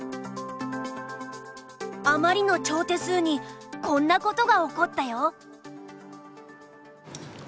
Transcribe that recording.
あまりの超手数にこんなことが起こったよ。